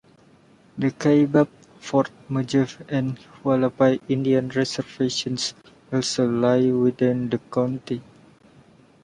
The Kaibab, Fort Mojave and Hualapai Indian Reservations also lie within the county.